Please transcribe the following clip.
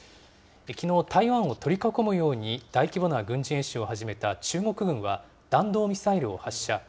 きのう、台湾を取り囲むように大規模な軍事演習を始めた中国軍は、弾道ミサイルを発射。